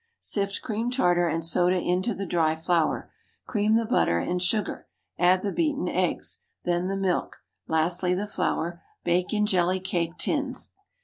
Sift cream tartar and soda into the dry flour; cream the butter and sugar; add the beaten eggs, then the milk; lastly the flour. Bake in jelly cake tins.